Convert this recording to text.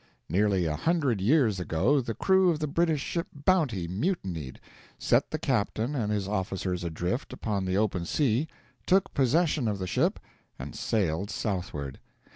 Nearly a hundred years ago the crew of the British ship Bounty mutinied, set the captain and his officers adrift upon the open sea, took possession of the ship, and sailed southward.